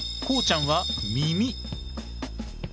こうちゃんは耳。